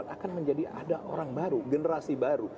akan menjadi ada orang baru generasi baru